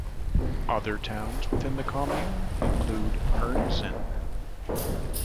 Other towns within the commune include Ernzen.